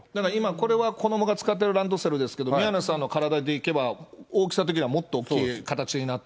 これは子どもが使ってるランドセルですけど、宮根さんの体でいけば、大きさ的にはもっと大きい形になって。